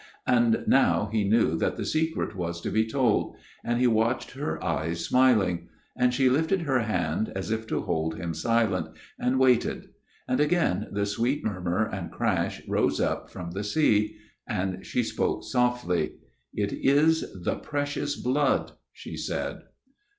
And now he knew that the secret was to be told ; and he watched her eyes, smiling. And she lifted her hand, as if to hold him silent ; and waited ; and again the sweet murmur and crash rose up from the sea ; and she spoke, softly. "' It is the Precious Blood,' she said."